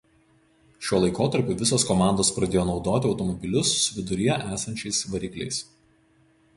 Šiuo laikotarpiu visos komandos pradėjo naudoti automobilius su viduryje esančiais varikliais.